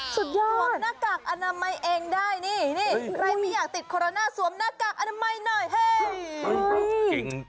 สุดยอดสวมหน้ากากอนามัยเองได้นี่นี่ใครไม่อยากติดโคโรนาสวมหน้ากากอนามัยหน่อยเฮ่